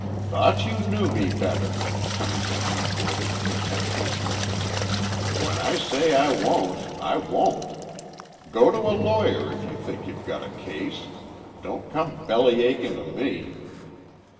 "Thought you knew me better," Cunningham retorted contemptuously. "When I say I won't, I won't. Go to a lawyer if you think you've got a case. Don't come belly aching to me."